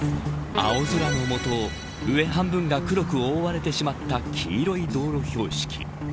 青空の下上半分が黒く覆われてしまった黄色い道路標識。